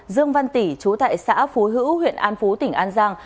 dương văn tỷ chú tại xã phú hữu huyện an phú tỉnh an giang